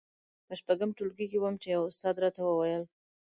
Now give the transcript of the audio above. په شپږم ټولګي کې وم چې يوه استاد راته وويل.